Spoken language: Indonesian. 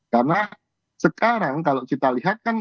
karena sekarang kalau kita lihat kan